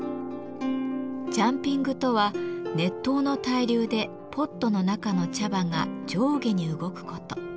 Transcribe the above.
ジャンピングとは熱湯の対流でポットの中の茶葉が上下に動くこと。